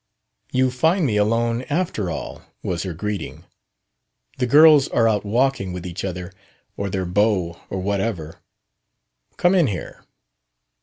"You find me alone, after all," was her greeting. "The girls are out walking with each other, or their beaux, or whatever. Come in here."